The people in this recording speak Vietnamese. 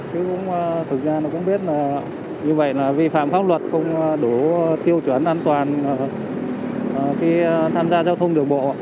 chứ cũng thực ra nó cũng biết là như vậy là vi phạm pháp luật không đủ tiêu chuẩn an toàn khi tham gia giao thông đường bộ